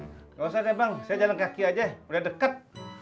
nggak usah deh bang saya jalan kaki aja udah deket